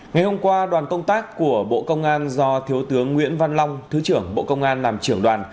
ngày hôm qua đoàn công tác của bộ công an do thiếu tướng nguyễn văn long thứ trưởng bộ công an làm trưởng đoàn